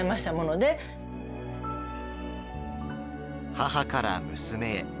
母から娘へ。